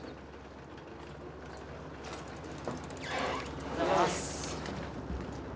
おはようございます。